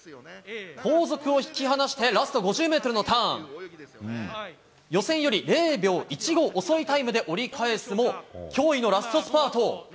後続を引き離して、ラスト５０メートルのターン。予選より０秒１５遅いタイムで折り返すも、驚異のラストスパート。